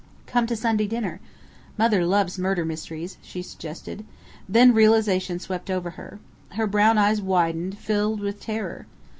"Come to Sunday dinner. Mother loves murder mysteries," she suggested. Then realization swept over her. Her brown eyes widened, filled with terror.